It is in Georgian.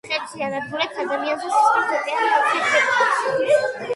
მხეცი ანადგურებს ადამიანს და სისხლის ოკეანე ავსებს ეკრანს.